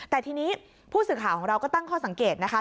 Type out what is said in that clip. แต่ทีนี้ผู้สื่อข่าวของเราก็ตั้งข้อสังเกตนะคะ